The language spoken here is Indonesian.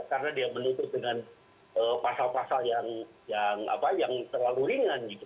karena dia menutup dengan pasal pasal yang terlalu ringan gitu